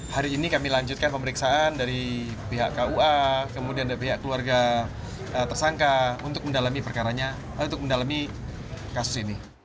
hari ini kami lanjutkan pemeriksaan dari pihak kua kemudian dari pihak keluarga tersangka untuk mendalami perkaranya untuk mendalami kasus ini